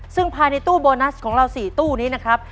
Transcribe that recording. ซึ่งภายในตู้โบนัสของเรา๔ตู้นี้นะครับ